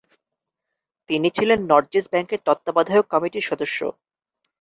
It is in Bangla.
তিনি ছিলেন নরজেস ব্যাঙ্কের তত্ত্বাবধায়ক কমিটির সদস্য।